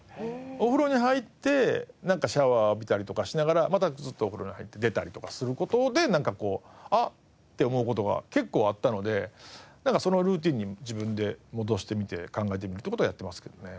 お風呂に入ってシャワー浴びたりとかしながらまたずっとお風呂に入って出たりとかする事でなんかあっ！って思う事が結構あったのでそのルーチンに自分で戻してみて考えてみるって事はやってますけどね。